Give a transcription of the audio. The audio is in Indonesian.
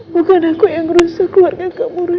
bukan aku yang rusak keluarga kamu roy